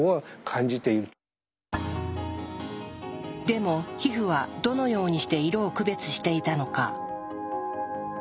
でも皮膚はどのようにして色を区別していたのか。